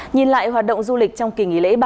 nhìn lại hoạt động du lịch trong kỳ nghỉ lễ